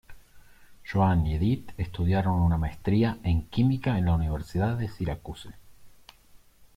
Joan y Edith estudiaron una maestría en química en la Universidad de Syracuse.